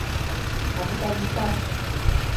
Капиталистар!